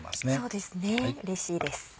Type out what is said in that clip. そうですねうれしいです。